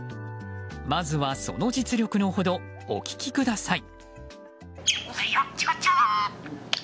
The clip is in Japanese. まずはその実力の程お聞きください。